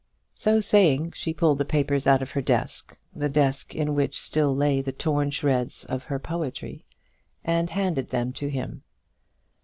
So saying, she pulled the papers out of her desk, the desk in which still lay the torn shreds of her poetry, and handed them to him.